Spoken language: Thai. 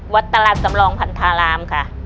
วัดตลาดสำรองพันธารามค่ะ